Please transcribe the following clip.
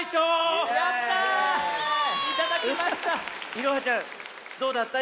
いろはちゃんどうだった？